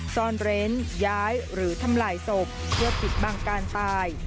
ซ่อนเร้นย้ายหรือทำลายศพเพื่อปิดบังการตาย